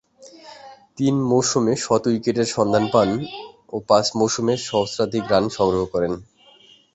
তিন মৌসুমে শত উইকেটের সন্ধান পান ও পাঁচ মৌসুমে সহস্রাধিক রান সংগ্রহ করেন।